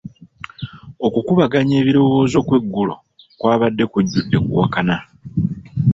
Okukubaganya ebirowoozo kw'eggulo kwabadde kujjudde kuwakana.